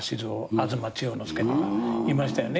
東千代之介とかいましたよね。